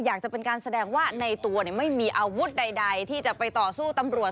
อยากจะเป็นการแสดงว่าในตัวไม่มีอาวุธใดที่จะไปต่อสู้ตำรวจ